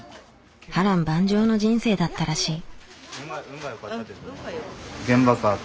波乱万丈の人生だったらしい。